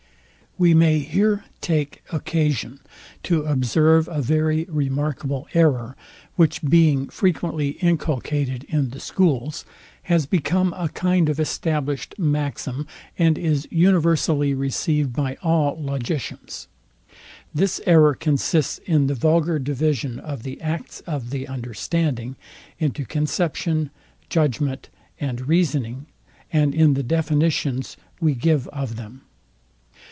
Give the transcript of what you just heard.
We may here take occasion to observe a very remarkable error, which being frequently inculcated in the schools, has become a kind of establishd maxim, and is universally received by all logicians. This error consists in the vulgar division of the acts of the understanding, into CONCEPTION, JUDGMENT and REASONING, and in the definitions we give of them.